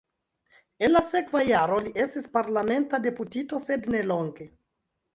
En la sekva jaro li estis parlamenta deputito, sed nelonge.